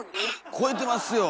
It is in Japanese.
超えてますよ！